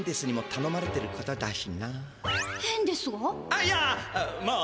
あっいやまあ